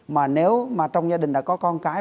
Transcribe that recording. mà nếu trong gia đình đã có con cái